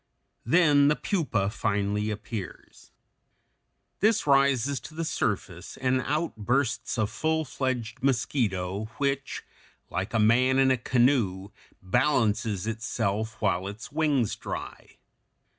Then the pupa finally appears. This rises to the surface, and out bursts a full fledged mosquito which, like a man in a canoe, balances itself while its wings dry.